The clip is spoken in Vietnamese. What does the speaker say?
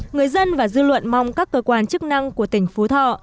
người dân và dư luận mong các cơ quan chức năng của tỉnh phú thọ